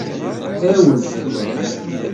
Ɛiwez.